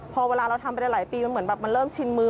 พอเวลาเราทำไปหลายปีมันเหมือนแบบมันเริ่มชินมือ